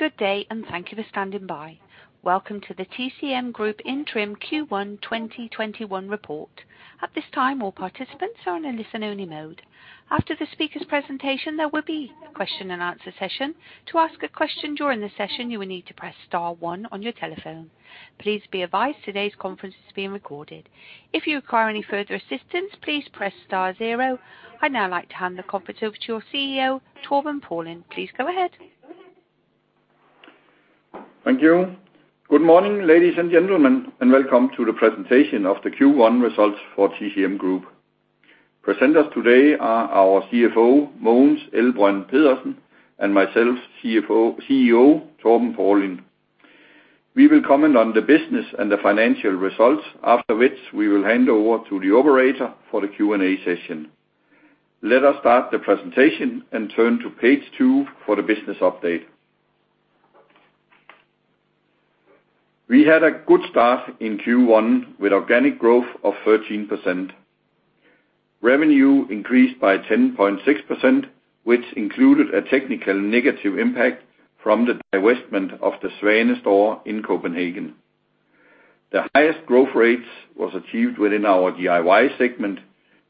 Good day, and thank you for standing by. Welcome to the TCM Group interim Q1 2021 report. At this time, all participants are in a listen-only mode. After the speaker's presentation, there will be a question and answer session. To ask a question during the session, you will need to press star 1 on your telephone. Please be advised today's conference is being recorded. If you require any further assistance, please press star 0. I'd now like to hand the conference over to your CEO, Torben Paulin. Please go ahead. Thank you. Good morning, ladies and gentlemen, and welcome to the presentation of the Q1 results for TCM Group. Presenters today are our CFO, Mogens Elbrønd Pedersen, and myself, CEO, Torben Paulin. We will comment on the business and the financial results, after which we will hand over to the operator for the Q&A session. Let us start the presentation and turn to page two for the business update. We had a good start in Q1 with organic growth of 13%. Revenue increased by 10.6%, which included a technical negative impact from the divestment of the Svane store in Copenhagen. The highest growth rates was achieved within our DIY segment,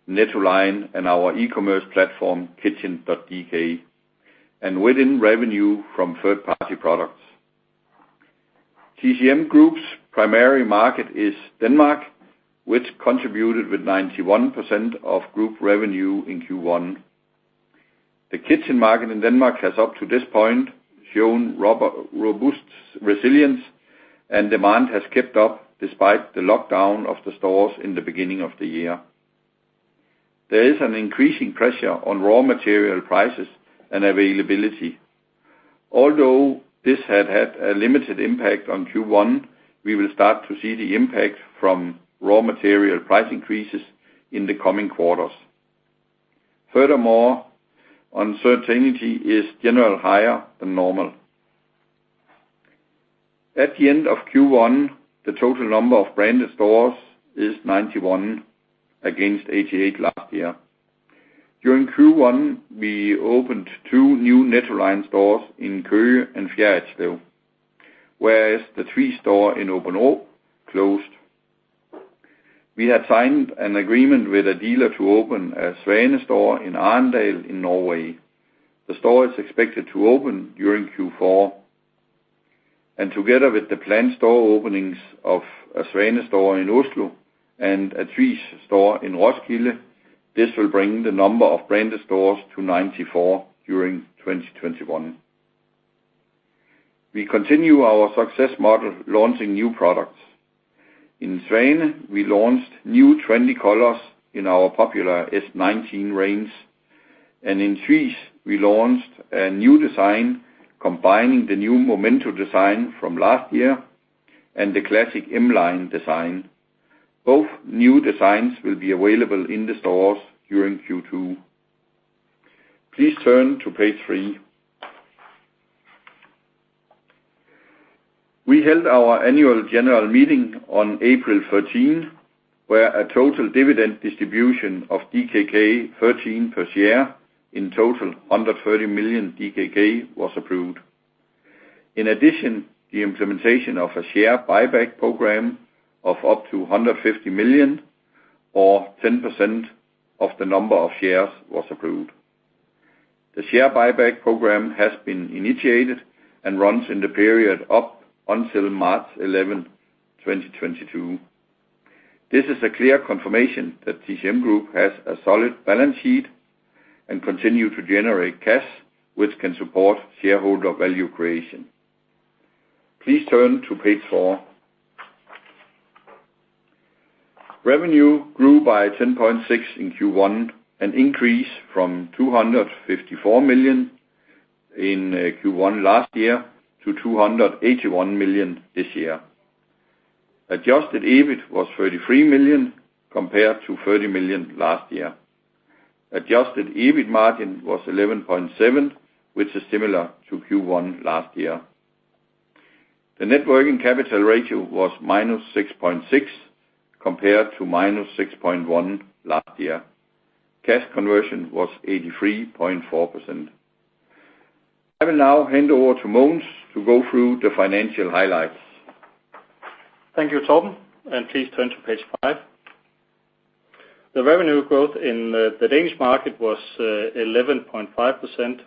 Nettoline, and our e-commerce platform, Kitchn.dk, and within revenue from third-party products. TCM Group's primary market is Denmark, which contributed with 91% of group revenue in Q1. The kitchen market in Denmark has up to this point shown robust resilience and demand has kept up despite the lockdown of the stores in the beginning of the year. There is an increasing pressure on raw material prices and availability. Although this had had a limited impact on Q1, we will start to see the impact from raw material price increases in the coming quarters. Uncertainty is generally higher than normal. At the end of Q1, the total number of branded stores is 91 against 88 last year. During Q1, we opened two new Nettoline stores in Køge and Fjerritslev, whereas the three store in Aabenraa closed. We have signed an agreement with a dealer to open a Svane store in Arendal in Norway. The store is expected to open during Q4. Together with the planned store openings of a Svane in Oslo and a Tvis in Roskilde, this will bring the number of branded stores to 94 during 2021. We continue our success model launching new products. In Svane, we launched new trendy colors in our popular S19, and in Tvis we launched a new design combining the new Momento from last year and the classic M-line. Both new designs will be available in the stores during Q2. Please turn to page three. We held our annual general meeting on April 13, where a total dividend distribution of DKK 13 per share in total under 30 million DKK was approved. In addition, the implementation of a share buyback program of up to 150 million or 10% of the number of shares was approved. The share buyback program has been initiated and runs in the period up until March 11, 2022. This is a clear confirmation that TCM Group has a solid balance sheet and continue to generate cash, which can support shareholder value creation. Please turn to page four. Revenue grew by 10.6 in Q1, an increase from 254 million in Q1 last year to 281 million this year. Adjusted EBIT was 33 million compared to 30 million last year. Adjusted EBIT margin was 11.7, which is similar to Q1 last year. The net working capital ratio was -6.6 compared to -6.1 last year. Cash conversion was 83.4%. I will now hand over to Mogens to go through the financial highlights. Thank you, Torben, and please turn to page five. The revenue growth in the Danish market was 11.5%.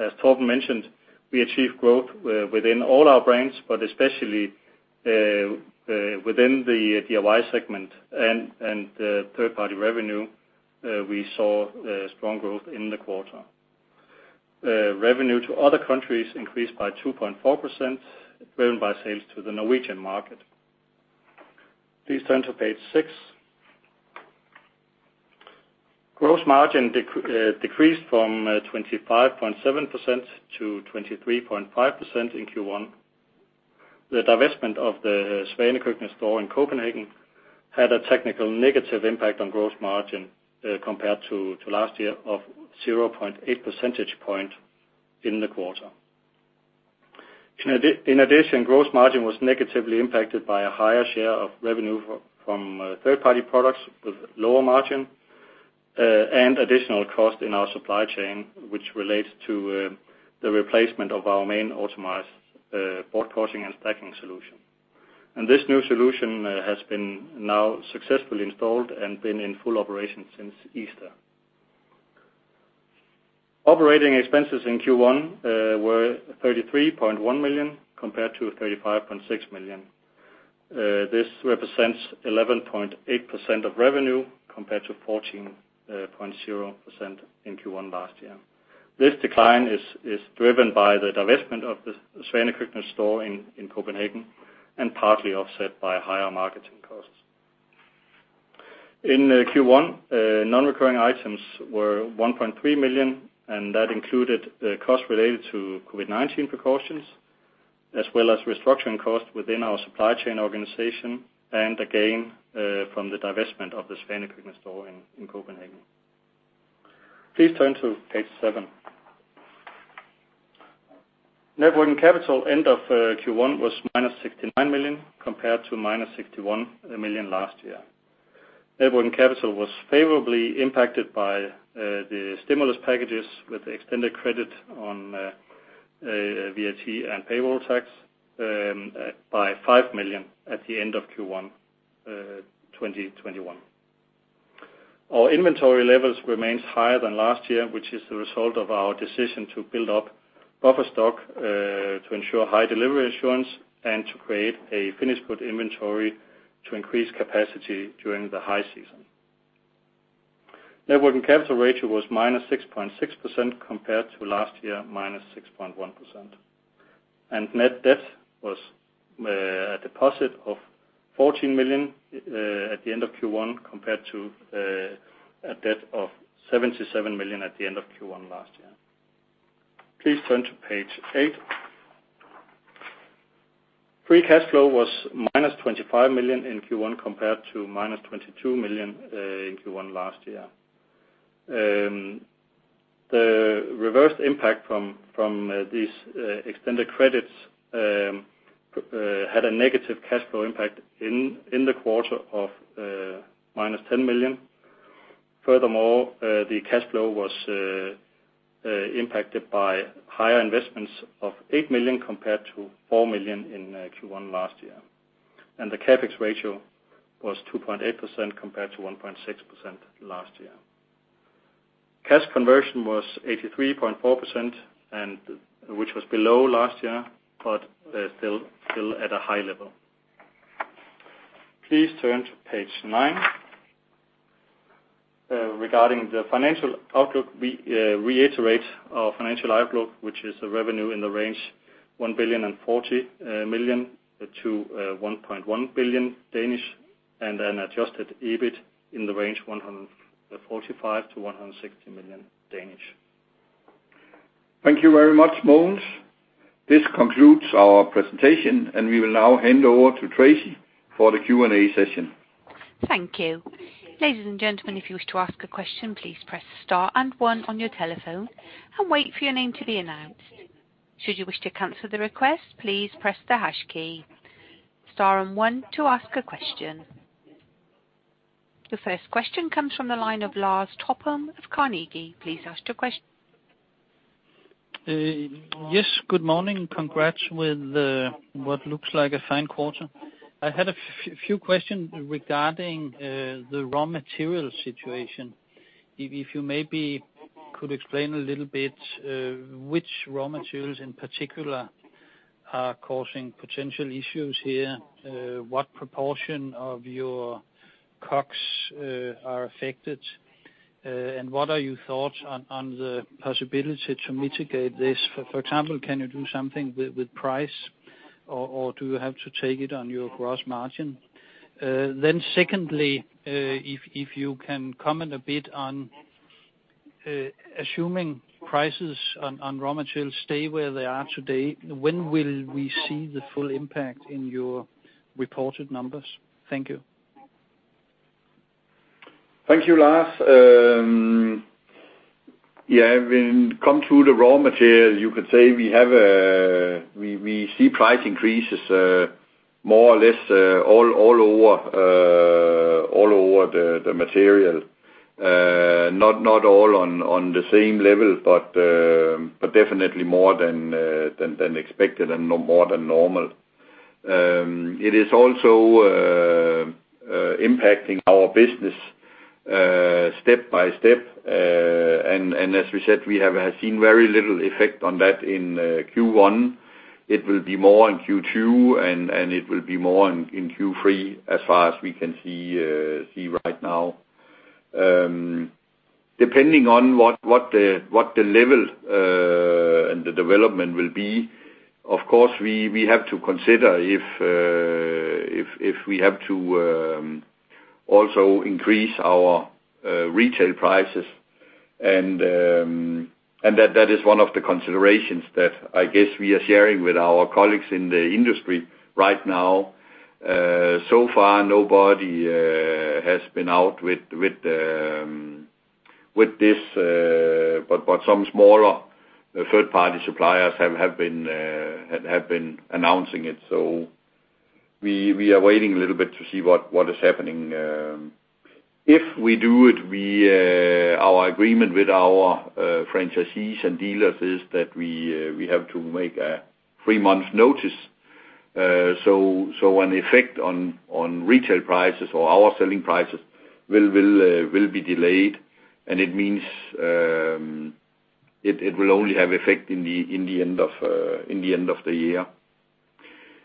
As Torben mentioned, we achieved growth within all our brands, but especially within the DIY segment and third-party revenue, we saw strong growth in the quarter. Revenue to other countries increased by 2.4%, driven by sales to the Norwegian market. Please turn to page six. Gross margin decreased from 25.7% to 23.5% in Q1. The divestment of the Svane Køkkenet store in Copenhagen had a technical negative impact on gross margin, compared to last year, of 0.8 percentage point in the quarter. In addition, gross margin was negatively impacted by a higher share of revenue from third-party products with lower margin, and additional cost in our supply chain, which relates to the replacement of our main automated board cutting and stacking solution. This new solution has been now successfully installed and been in full operation since Easter. Operating expenses in Q1 were 33.1 million compared to 35.6 million. This represents 11.8% of revenue, compared to 14.0% in Q1 last year. This decline is driven by the divestment of the Svane Køkkenet store in Copenhagen, and partly offset by higher marketing costs. In Q1, non-recurring items were 1.3 million, and that included costs related to COVID-19 precautions, as well as restructuring costs within our supply chain organization, and again, from the divestment of the Svane Køkkenet store in Copenhagen. Please turn to page seven. Net working capital end of Q1 was minus 69 million, compared to minus 61 million last year. Net working capital was favorably impacted by the stimulus packages with extended credit on VAT and payroll tax by 5 million at the end of Q1 2021. Our inventory levels remains higher than last year, which is the result of our decision to build up buffer stock, to ensure high delivery assurance and to create a finished good inventory to increase capacity during the high season. Net working capital ratio was minus 6.6% compared to last year, minus 6.1%. Net debt was a deposit of 14 million at the end of Q1 compared to a debt of 77 million at the end of Q1 last year. Please turn to page eight. Free cash flow was minus 25 million in Q1 compared to minus 22 million in Q1 last year. The reverse impact from these extended credits had a negative cash flow impact in the quarter of minus 10 million. Furthermore, the cash flow was impacted by higher investments of 8 million compared to 4 million in Q1 last year. The CapEx ratio was 2.8% compared to 1.6% last year. Cash conversion was 83.4%, which was below last year, but still at a high level. Please turn to page nine. Regarding the financial outlook, we reiterate our financial outlook, which is a revenue in the range 1.04 billion-1.1 billion, and an adjusted EBIT in the range 145 million-160 million. Thank you very much, Mogens. This concludes our presentation. We will now hand over to Tracy for the Q&A session. Thank you. Ladies and gentlemen, if you wish to ask a question, please press star and one on your telephone and wait for your name to be announced. Should you wish to cancel the request, please press the hash key. Star and one to ask a question. The first question comes from the line of Lars Topholm of Carnegie. Please ask your question. Yes. Good morning. Congrats with what looks like a fine quarter. I had a few questions regarding the raw material situation. If you maybe could explain a little bit, which raw materials in particular are causing potential issues here? What proportion of your COGS are affected? What are your thoughts on the possibility to mitigate this? For example, can you do something with price or do you have to take it on your gross margin? Secondly, if you can comment a bit on assuming prices on raw materials stay where they are today, when will we see the full impact in your reported numbers? Thank you. Thank you, Lars. Yeah, when it comes to the raw material, you could say we see price increases more or less all over the material. Not all on the same level, but definitely more than expected and more than normal. It is also impacting our business step by step. As we said, we have seen very little effect on that in Q1. It will be more in Q2 and it will be more in Q3 as far as we can see right now. Depending on what the level and the development will be, of course, we have to consider if we have to also increase our retail prices and that is one of the considerations that I guess we are sharing with our colleagues in the industry right now. So far nobody has been out with this, but some smaller third-party suppliers have been announcing it. We are waiting a little bit to see what is happening. If we do it, our agreement with our franchisees and dealers is that we have to make a three-month notice. An effect on retail prices or our selling prices will be delayed, and it means it will only have effect in the end of the year.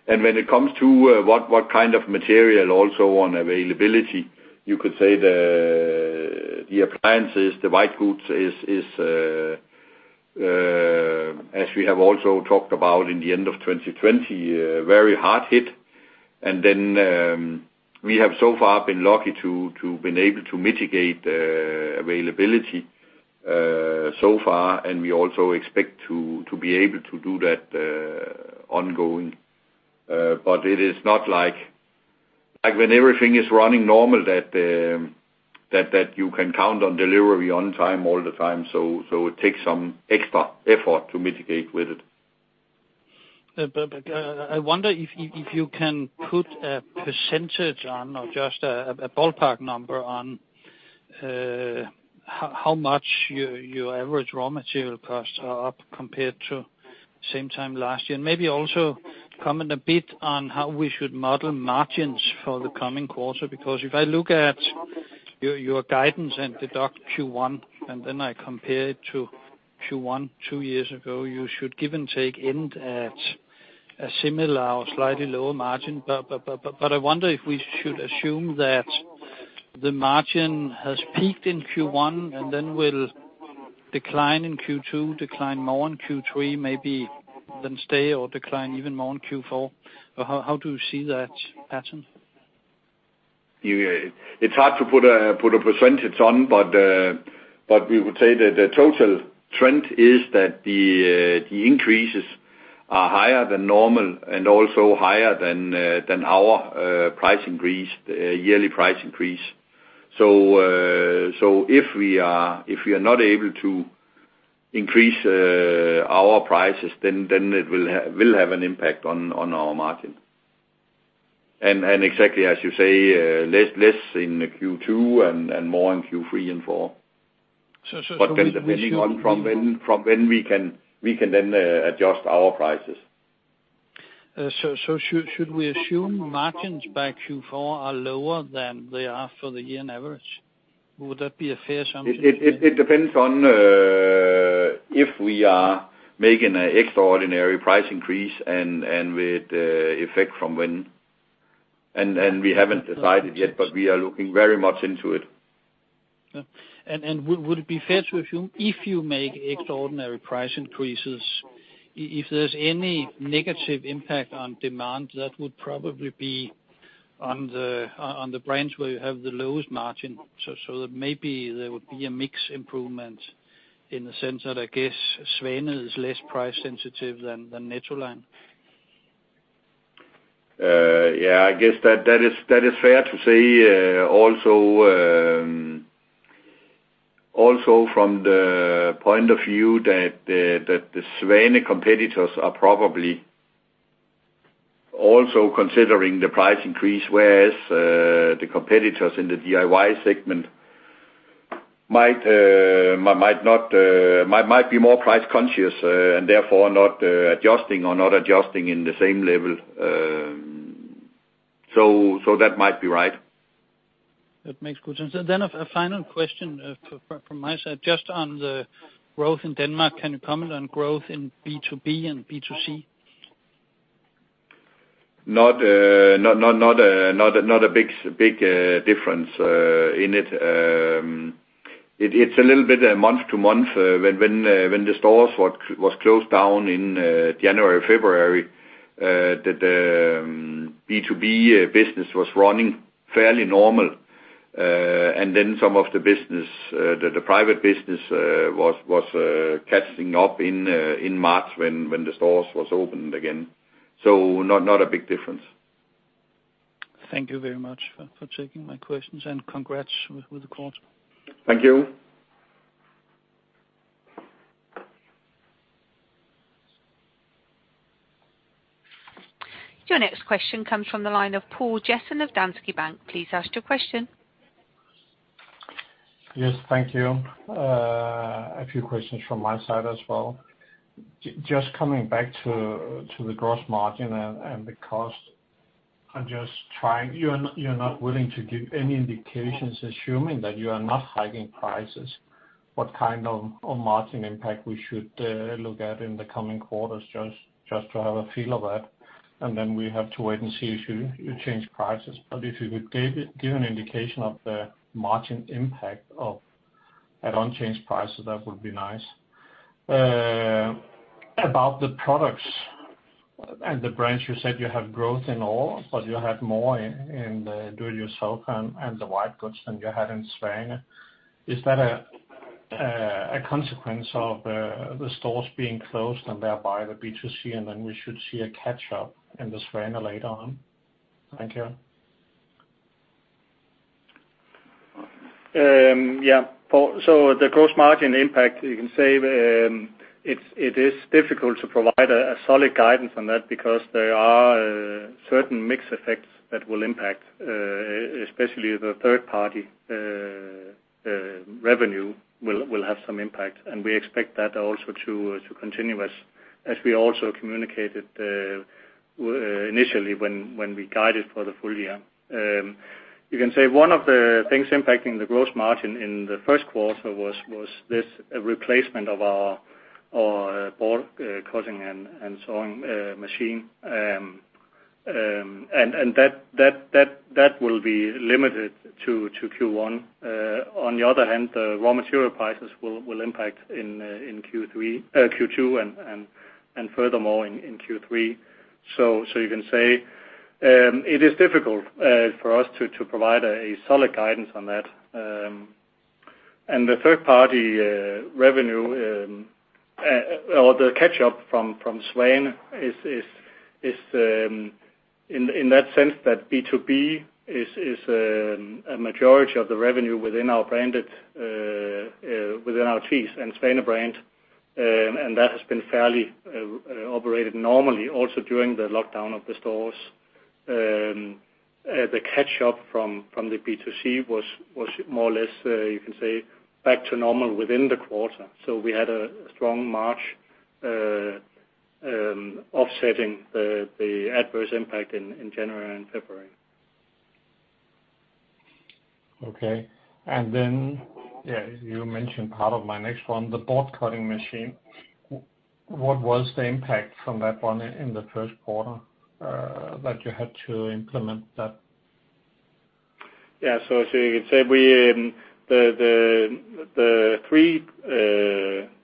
When it comes to what kind of material also on availability, you could say the appliances, the white goods is, as we have also talked about in the end of 2020, very hard hit. We have so far been lucky to been able to mitigate the availability so far, and we also expect to be able to do that ongoing. It is not like when everything is running normal that you can count on delivery on time all the time. It takes some extra effort to mitigate with it. I wonder if you can put a percentage on or just a ballpark number on how much your average raw material costs are up compared to same time last year. Maybe also comment a bit on how we should model margins for the coming quarter. If I look at your guidance and deduct Q1, and then I compare it to Q1 2 years ago, you should give and take end at a similar or slightly lower margin. I wonder if we should assume that the margin has peaked in Q1 and then will decline in Q2, decline more in Q3 maybe, then stay or decline even more in Q4. How do you see that pattern? It's hard to put a % on. We would say that the total trend is that the increases are higher than normal and also higher than our yearly price increase. If we are not able to increase our prices, then it will have an impact on our margin. Exactly as you say, less in Q2 and more in Q3 and 4. So should we- Depends on from when we can then adjust our prices. Should we assume margins by Q4 are lower than they are for the year on average? Would that be a fair assumption? It depends on if we are making an extraordinary price increase and with effect from when. We haven't decided yet, but we are looking very much into it. Yeah. Would it be fair to assume if you make extraordinary price increases, if there's any negative impact on demand, that would probably be on the branch where you have the lowest margin? That maybe there would be a mix improvement in the sense that, I guess, Svane is less price sensitive than Nettoline. Yeah, I guess that is fair to say. Also from the point of view that the Svane competitors are probably also considering the price increase, whereas the competitors in the DIY segment might be more price-conscious and therefore not adjusting or not adjusting in the same level. That might be right. That makes good sense. A final question from my side, just on the growth in Denmark, can you comment on growth in B2B and B2C? Not a big difference in it. It's a little bit month-to-month. When the stores were closed down in January, February, the B2B business was running fairly normal. Some of the private business was catching up in March when the stores were opened again. Not a big difference. Thank you very much for taking my questions and congrats with the quarter. Thank you. Your next question comes from the line of Poul Jessen of Danske Bank. Please ask your question. Yes, thank you. A few questions from my side as well. Just coming back to the gross margin and the cost. You're not willing to give any indications, assuming that you are not hiking prices, what kind of margin impact we should look at in the coming quarters, just to have a feel of that. We have to wait and see if you change prices. If you could give an indication of the margin impact of an unchanged prices, that would be nice. About the products and the branch, you said you have growth in all, but you have more in the DIY and the white goods than you had in Svane. Is that a consequence of the stores being closed and thereby the B2C, and then we should see a catch-up in the Svane later on? Thank you. Yeah. The gross margin impact, you can say it is difficult to provide a solid guidance on that because there are certain mix effects that will impact, especially the third-party revenue will have some impact. We expect that also to continue as we also communicated initially when we guided for the full year. You can say one of the things impacting the gross margin in the first quarter was this replacement of our board cutting and sawing machine. That will be limited to Q1. On the other hand, the raw material prices will impact in Q2 and furthermore in Q3. You can say it is difficult for us to provide a solid guidance on that. The third-party revenue or the catch-up from Svane is in that sense that B2B is a majority of the revenue within our Tvis and Svane brand. That has been fairly operated normally also during the lockdown of the stores. The catch-up from the B2C was more or less, you can say, back to normal within the quarter. We had a strong March offsetting the adverse impact in January and February. Okay. You mentioned part of my next one, the board cutting machine. What was the impact from that one in the first quarter that you had to implement that? Yeah. You could say the three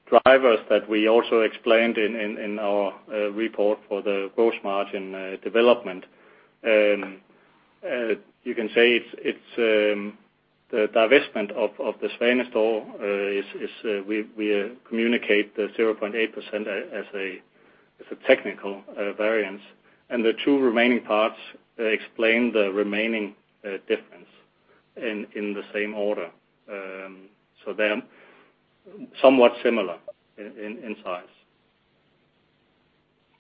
drivers that we also explained in our report for the gross margin development, you can say the divestment of the Svane store is we communicate the 0.8% as a technical variance, and the two remaining parts explain the remaining difference in the same order. They are somewhat similar in size.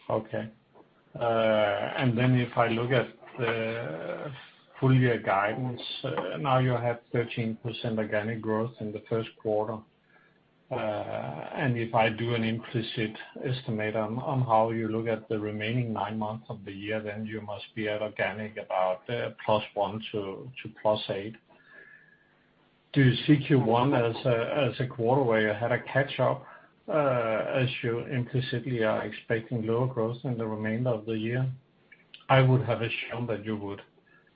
Okay. If I look at the full year guidance, now you have 13% organic growth in the first quarter. If I do an implicit estimate on how you look at the remaining nine months of the year, you must be at organic about plus one to plus eight. Do you see Q1 as a quarter where you had a catch-up, as you implicitly are expecting lower growth in the remainder of the year? I would have assumed that you would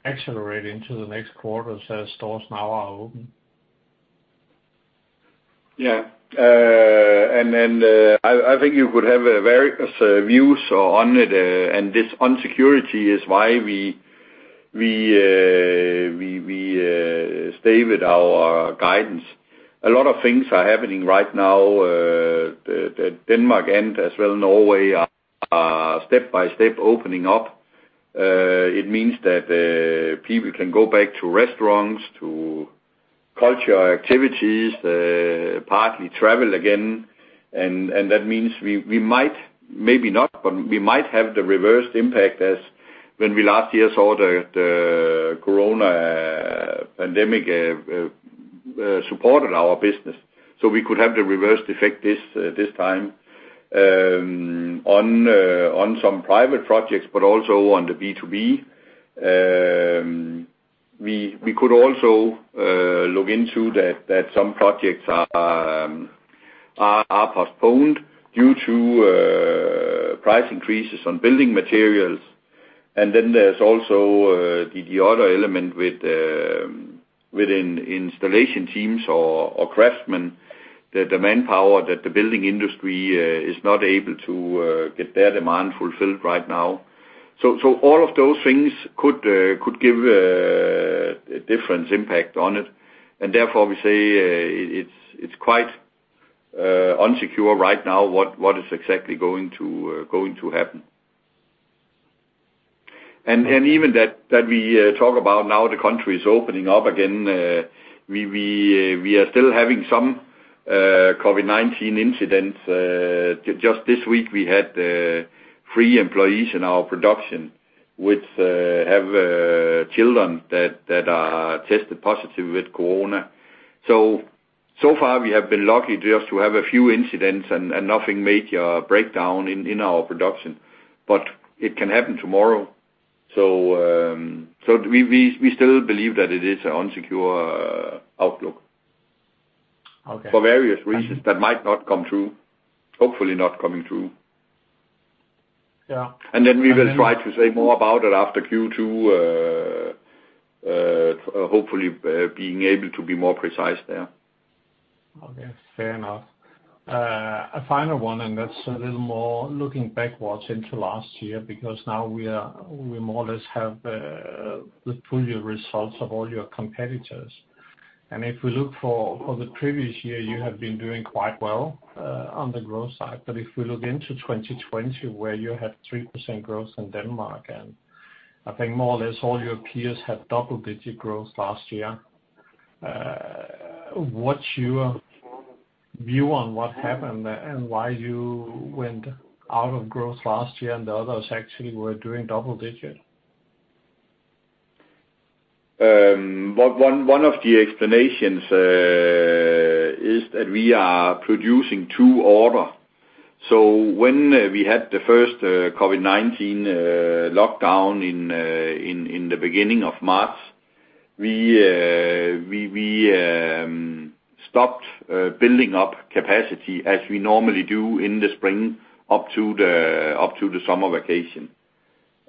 accelerate into the next quarters as stores now are open. Yeah. I think you could have various views on it, and this insecurity is why we stay with our guidance. A lot of things are happening right now. The Denmark and as well Norway are step-by-step opening up. It means that people can go back to restaurants, to culture activities, partly travel again. That means we might, maybe not, but we might have the reverse impact as when we last year saw the corona pandemic supported our business. We could have the reverse effect this time on some private projects, but also on the B2B. We could also look into that some projects are postponed due to price increases on building materials. Then there's also the other element within installation teams or craftsmen, the manpower that the building industry is not able to get their demand fulfilled right now. All of those things could give a difference impact on it. Therefore we say it's quite unsecure right now what is exactly going to happen. Even that we talk about now the country is opening up again, we are still having some COVID-19 incidents. Just this week we had three employees in our production which have children that are tested positive with corona. So far we have been lucky just to have a few incidents and nothing major breakdown in our production, but it can happen tomorrow. We still believe that it is an unsecure outlook. Okay. For various reasons that might not come true, hopefully not coming true. Yeah. We will try to say more about it after Q2, hopefully being able to be more precise there. Okay, fair enough. A final one, that's a little more looking backwards into last year because now we more or less have the full year results of all your competitors. If we look for the previous year, you have been doing quite well on the growth side. If we look into 2020, where you had 3% growth in Denmark, I think more or less all your peers had double-digit growth last year. What's your view on what happened there, and why you went out of growth last year and the others actually were doing double digit? One of the explanations is that we are producing to order. When we had the first COVID-19 lockdown in the beginning of March, we stopped building up capacity as we normally do in the spring up to the summer vacation.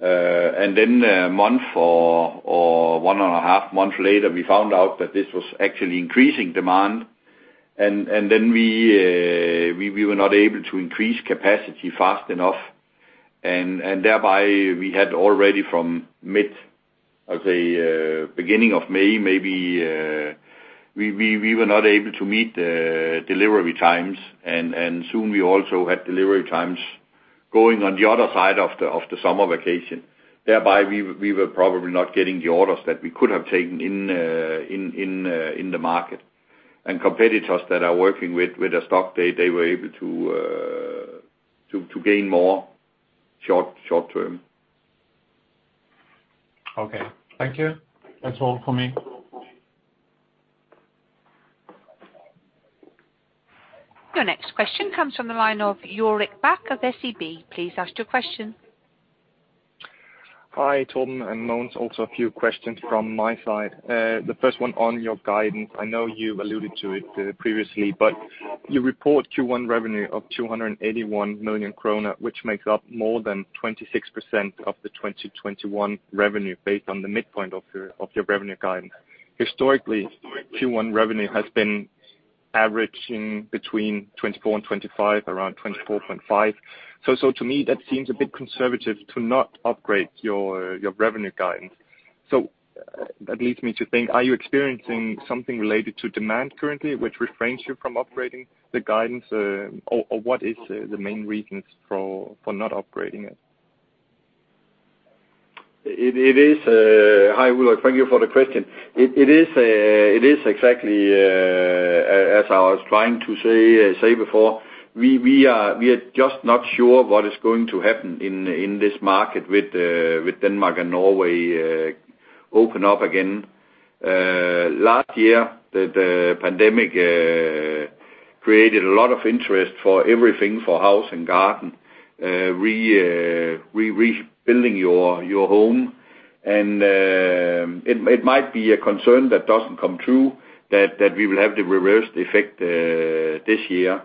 A month or one and a half months later, we found out that this was actually increasing demand, and then we were not able to increase capacity fast enough, and thereby we had already from the beginning of May, maybe, we were not able to meet delivery times, and soon we also had delivery times going on the other side of the summer vacation. Thereby, we were probably not getting the orders that we could have taken in the market. Competitors that are working with a stock, they were able to gain more short term. Okay. Thank you. That's all for me. Your next question comes from the line of Ulrik Bak of SEB. Please ask your question. Hi, Torben and Mogens. Also a few questions from my side. The first one on your guidance. I know you've alluded to it previously, you report Q1 revenue of 281 million krone, which makes up more than 26% of the 2021 revenue based on the midpoint of your revenue guidance. Historically, Q1 revenue has been averaging between 24% and 25%, around 24.5%. To me, that seems a bit conservative to not upgrade your revenue guidance. That leads me to think, are you experiencing something related to demand currently which refrains you from upgrading the guidance? What is the main reasons for not upgrading it? Hi, Ulrik. Thank you for the question. It is exactly as I was trying to say before. We are just not sure what is going to happen in this market with Denmark and Norway open up again. Last year, the pandemic created a lot of interest for everything for house and garden. Rebuilding your home. It might be a concern that doesn't come true that we will have the reverse effect this year.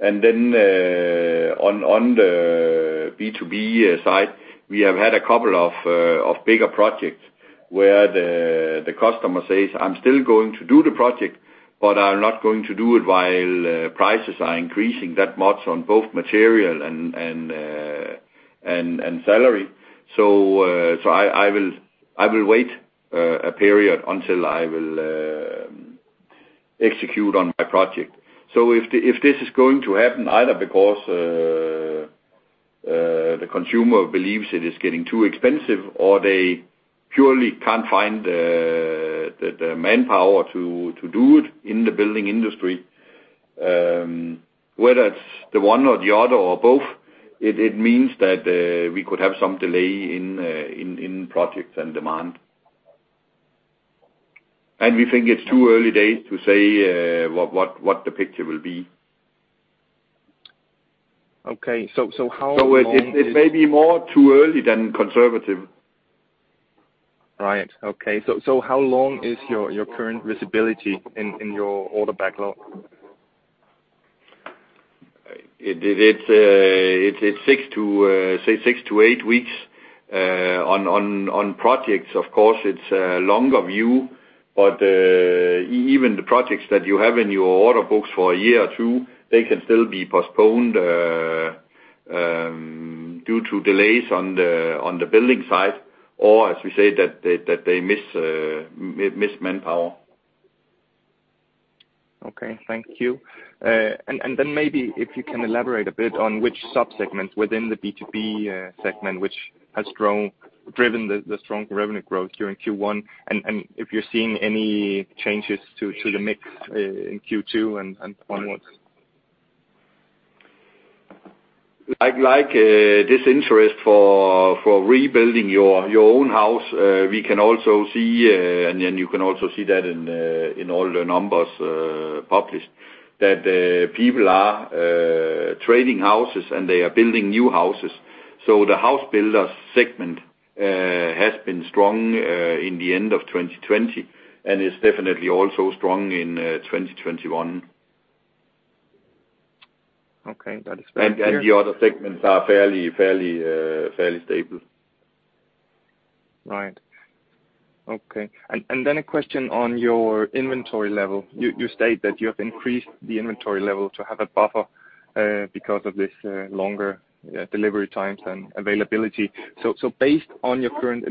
Then on the B2B side, we have had a couple of bigger projects where the customer says, "I'm still going to do the project, but I'm not going to do it while prices are increasing that much on both material and salary. I will wait a period until I will execute on my project. If this is going to happen, either because the consumer believes it is getting too expensive or they purely can't find the manpower to do it in the building industry, whether it's the one or the other or both, it means that we could have some delay in projects and demand. We think it's too early days to say what the picture will be. Okay. It may be more too early than conservative. Right. Okay. How long is your current visibility in your order backlog? It's six to eight weeks. On projects, of course, it's a longer view, but even the projects that you have in your order books for a year or two, they can still be postponed due to delays on the building side, or as we say, that they miss manpower. Okay. Thank you. Maybe if you can elaborate a bit on which sub-segments within the B2B segment which has driven the strong revenue growth here in Q1, and if you're seeing any changes to the mix in Q2 and onwards? Like this interest for rebuilding your own house, we can also see, and then you can also see that in all the numbers published, that people are trading houses, and they are building new houses. The house builders segment has been strong in the end of 2020 and is definitely also strong in 2021. Okay. That is clear. The other segments are fairly stable. Right. Okay. A question on your inventory level. You state that you have increased the inventory level to have a buffer because of this longer delivery times and availability. Based on your current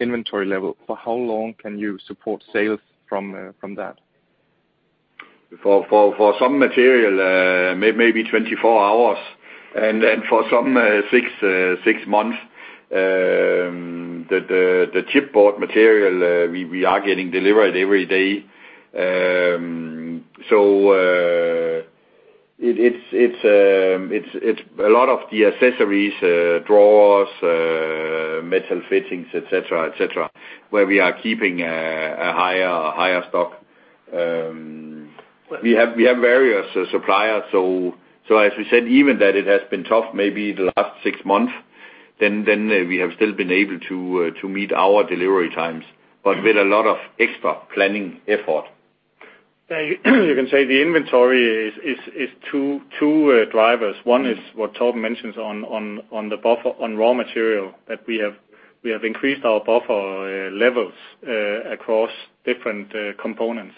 inventory level, for how long can you support sales from that? For some material, maybe 24 hours, and then for some, six months. The chipboard material, we are getting delivered every day. It's a lot of the accessories, drawers, metal fittings, et cetera, where we are keeping a higher stock. We have various suppliers. As we said, even that it has been tough maybe the last six months, then we have still been able to meet our delivery times, but with a lot of extra planning effort. You can say the inventory is two drivers. One is what Torben mentions on the buffer on raw material, that we have increased our buffer levels across different components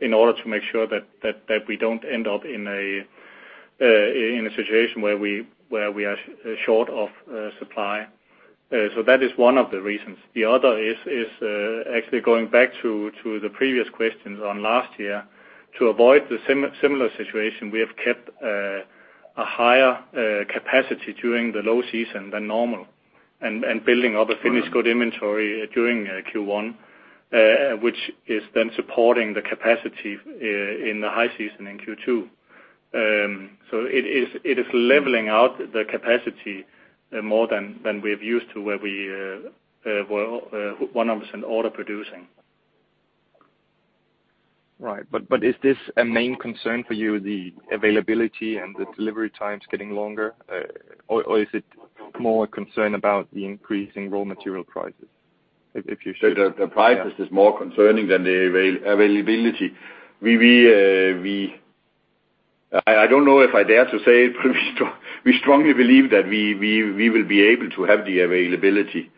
in order to make sure that we don't end up in a situation where we are short of supply. That is one of the reasons. The other is actually going back to the previous questions on last year. To avoid the similar situation, we have kept a higher capacity during the low season than normal and building up a finished-. Sure good inventory during Q1, which is then supporting the capacity in the high season in Q2. It is leveling out the capacity more than we're used to where we were 100% order producing. Right. Is this a main concern for you, the availability and the delivery times getting longer, or is it more a concern about the increasing raw material prices? The prices is more concerning than the availability. I don't know if I dare to say it, but we strongly believe that we will be able to have the availability.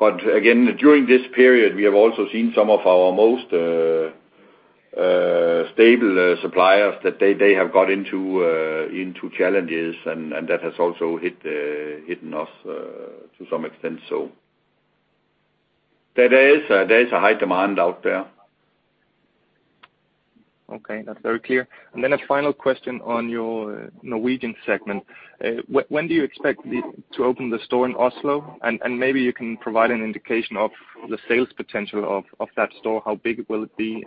Again, during this period, we have also seen some of our most stable suppliers, that they have got into challenges, and that has also hit us to some extent. There is a high demand out there. Okay. That's very clear. A final question on your Norwegian segment. When do you expect to open the store in Oslo? Maybe you can provide an indication of the sales potential of that store, how big will it be,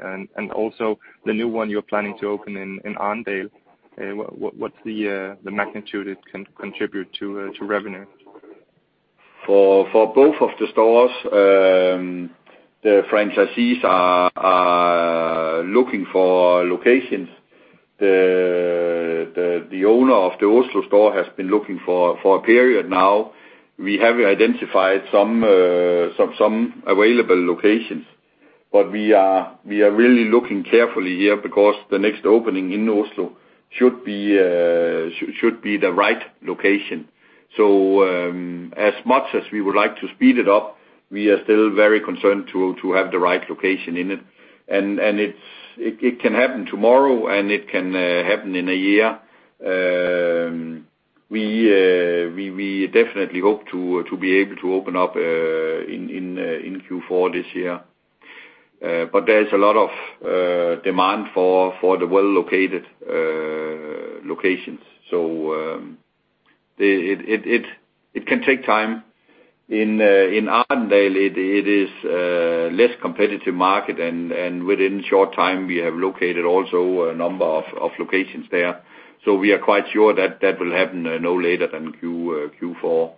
also the new one you're planning to open in Arendal. What's the magnitude it can contribute to revenue? For both of the stores, the franchisees are looking for locations. The owner of the Oslo store has been looking for a period now. We have identified some available locations. We are really looking carefully here because the next opening in Oslo should be the right location. As much as we would like to speed it up, we are still very concerned to have the right location in it. It can happen tomorrow, and it can happen in a year. We definitely hope to be able to open up in Q4 this year. There's a lot of demand for the well-located locations. It can take time. In Arendal, it is a less competitive market, and within a short time, we have located also a number of locations there. We are quite sure that will happen no later than Q4.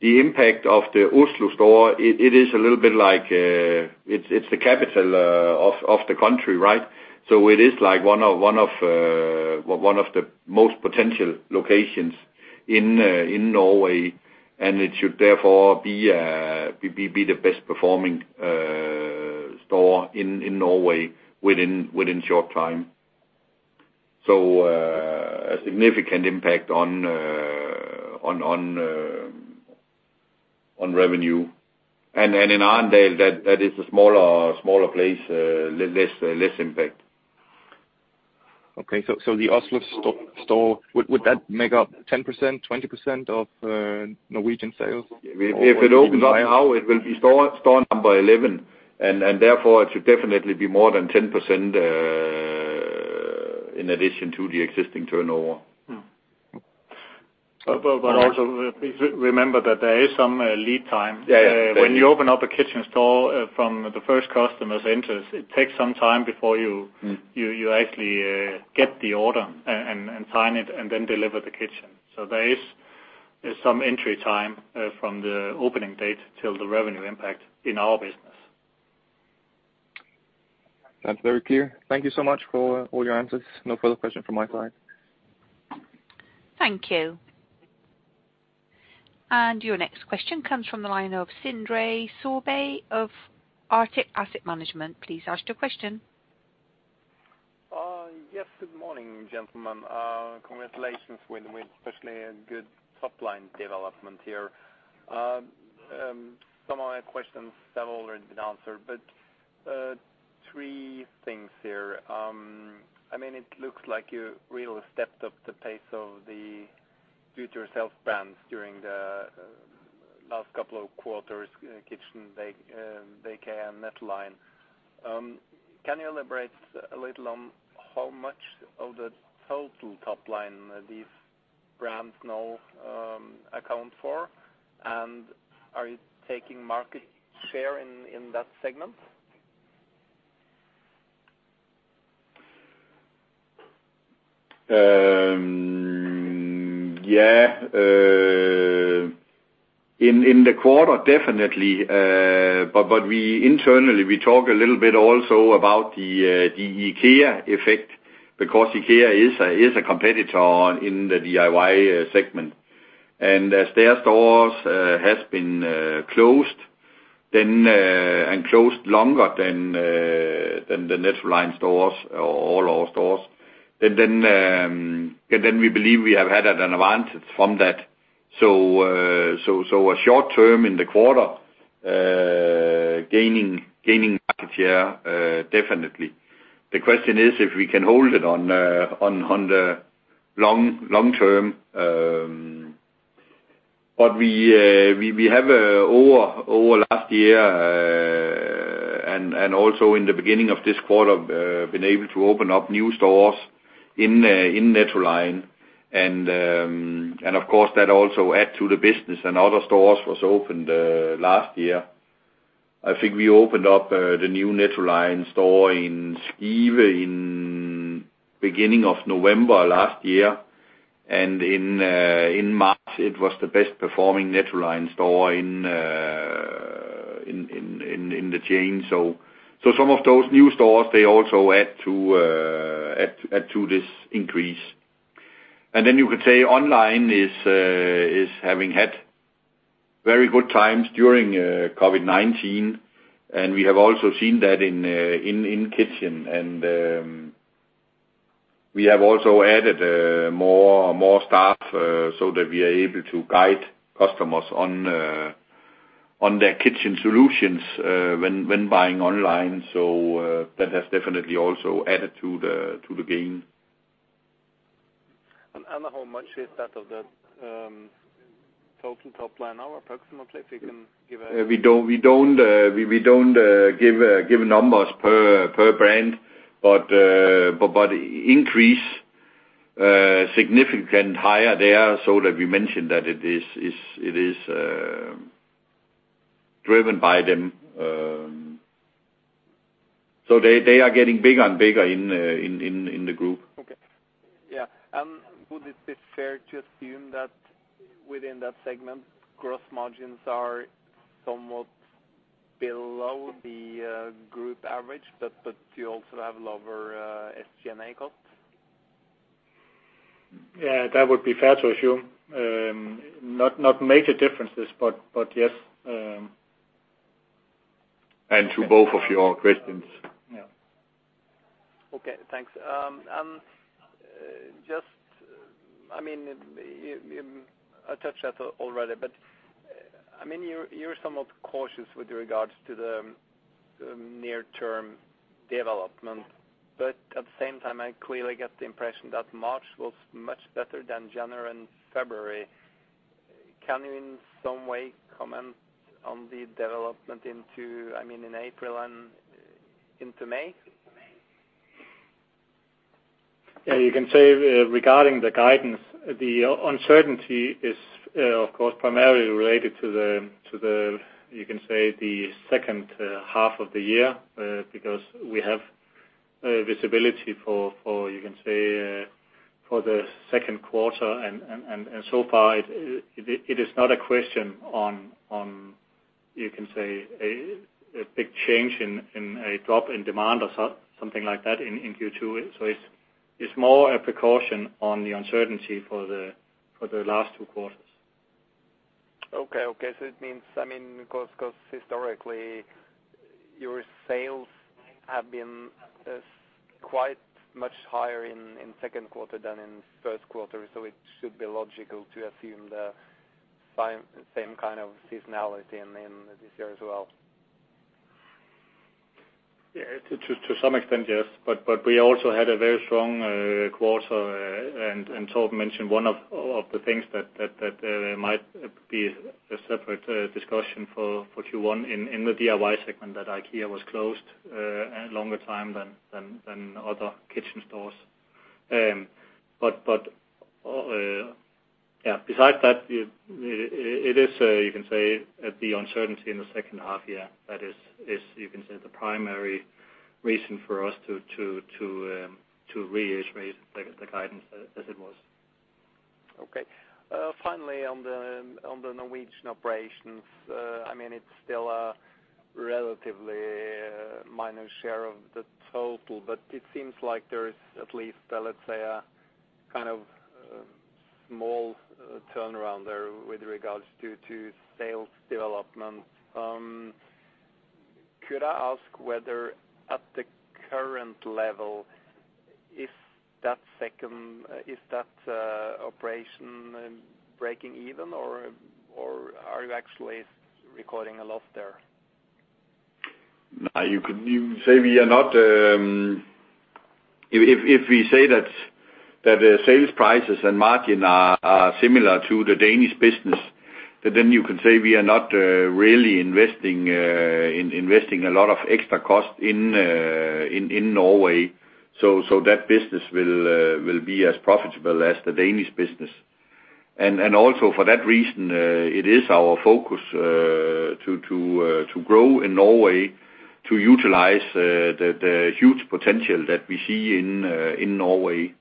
The impact of the Oslo store, it's the capital of the country, right? It is like one of the most potential locations in Norway, and it should therefore be the best performing store in Norway within short time. A significant impact on revenue. In Arendal, that is a smaller place, less impact. Okay. The Oslo store, would that make up 10%, 20% of Norwegian sales? If it opens up now, it will be store number 11, and therefore it should definitely be more than 10% in addition to the existing turnover. Also remember that there is some lead time. Yeah. When you open up a kitchen store from the first customers enters, it takes some time before you actually get the order and sign it, and then deliver the kitchen. There is some entry time from the opening date till the revenue impact in our business. That's very clear. Thank you so much for all your answers. No further question from my side. Thank you. Your next question comes from the line of Sindre Sørbye of Arctic Asset Management. Please ask your question. Yes. Good morning, gentlemen. Congratulations with especially a good top-line development here. Some of my questions have already been answered, but three things here. It looks like you really stepped up the pace of the do-it-yourself brands during the last couple of quarters in Kitchn.dk, DK, and Nettoline. Can you elaborate a little on how much of the total top line these brands now account for? Are you taking market share in that segment? Yeah. In the quarter, definitely. Internally, we talk a little bit also about the IKEA effect because IKEA is a competitor in the DIY segment. As their stores have been closed and closed longer than the Nettoline stores or all our stores, we believe we have had an advantage from that. A short term in the quarter, gaining market share, definitely. The question is if we can hold it on the long term. We have over last year, and also in the beginning of this quarter, been able to open up new stores in Nettoline and, of course, that also adds to the business and other stores were opened last year. I think we opened up the new Nettoline store in Skive in beginning of November last year. In March, it was the best-performing Nettoline store in the chain. Some of those new stores, they also add to this increase. You could say online is having had very good times during COVID-19. We have also seen that in Kitchn.dk. We have also added more staff so that we are able to guide customers on their kitchen solutions when buying online. That has definitely also added to the gain. How much is that of the total top line now, approximately, if you can give. We don't give numbers per brand, but increase significantly higher there so that we mentioned that it is driven by them. They are getting bigger and bigger in the group. Okay. Yeah. Would it be fair to assume that within that segment, gross margins are somewhat below the group average, but you also have lower SG&A costs? Yeah, that would be fair to assume. Not major differences, but yes. To both of your questions. Yeah. Okay, thanks. I touched that already, you're somewhat cautious with regards to the near-term development. At the same time, I clearly get the impression that March was much better than January and February. Can you in some way comment on the development in April and into May? Yeah, you can say regarding the guidance, the uncertainty is of course primarily related to the, you can say, the second half of the year because we have visibility for the second quarter, and so far it is not a question on a big change in a drop in demand or something like that in Q2. It's more a precaution on the uncertainty for the last two quarters. It means, because historically, your sales have been quite much higher in second quarter than in first quarter, so it should be logical to assume the same kind of seasonality in this year as well. Yeah. To some extent, yes. We also had a very strong quarter and Torben mentioned one of the things that might be a separate discussion for Q1 in the DIY segment that IKEA was closed a longer time than other kitchen stores. Besides that, it is the uncertainty in the second half year that is the primary reason for us to reiterate the guidance as it was. Okay. Finally, on the Norwegian operations, it is still a relatively minor share of the total, but it seems like there is at least a small turnaround there with regards to sales development. Could I ask whether at the current level, is that operation breaking even or are you actually recording a loss there? No. If we say that the sales prices and margin are similar to the Danish business, then you can say we are not really investing a lot of extra cost in Norway. That business will be as profitable as the Danish business. Also for that reason, it is our focus to grow in Norway to utilize the huge potential that we see in Norway.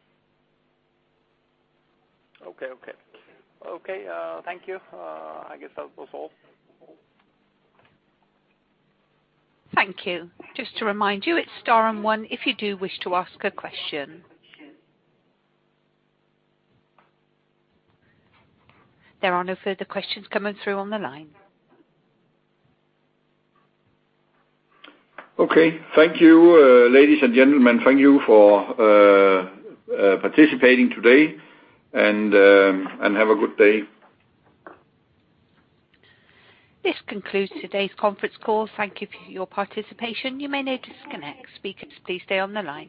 Okay. Thank you. I guess that was all. Thank you. Just to remind you, it's star and one if you do wish to ask a question. There are no further questions coming through on the line. Okay. Thank you, ladies and gentlemen. Thank you for participating today. Have a good day. This concludes today's conference call. Thank you for your participation. You may now disconnect. Speakers, please stay on the line.